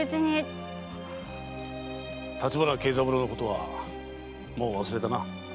立花慶三郎のことはもう忘れたな？